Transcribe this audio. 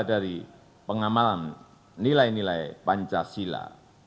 dari pengamalan nilai nilai pancasila